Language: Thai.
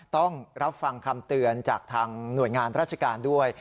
ต้องรับฟังคำเตือนจากทางหน่วยงานราชการด้วย